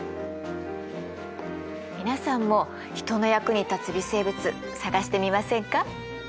皆さんも人の役に立つ微生物探してみませんか？